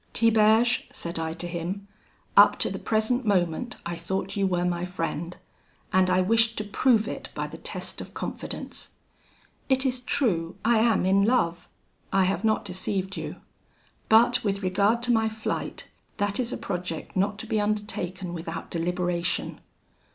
"'Tiberge,' said I to him, 'up to the present moment I thought you were my friend; and I wished to prove it by the test of confidence. It is true, I am in love; I have not deceived you: but with regard to my flight, that is a project not to be undertaken without deliberation.